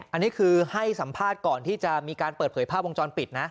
อันนี้คือให้สัมภาษณ์ก่อนที่จะมีการเปิดเผยภาพวงจรปิดนะ